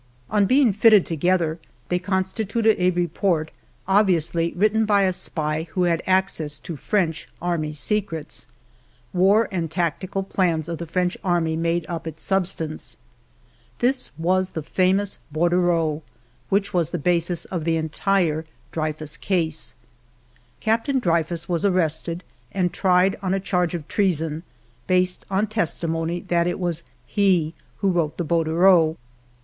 On being fitted together, they constituted a report obviously written by a spy who had access X EDITOR'S PREFACE to French army secrets. War and tactical plans of the French army made up its substance. This was the famous bordereau which was the basis of the entire Dreyfus case. Captain Dreyfus was arrested and tried on a charge of treason, based on testimony that it was he who wrote the bor dereau.